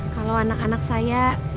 kalau anak anak saya